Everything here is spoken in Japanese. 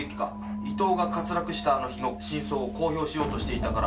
「伊藤が滑落したあの日の真相を公表しようとしていたから」